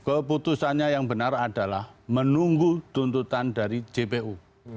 keputusannya yang benar adalah menunggu tuntutan dari jpu